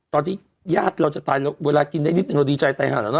ตอนที่ญาติเราจะตายเวลากินได้นิดนึงเราดีใจตายหาแล้วนะ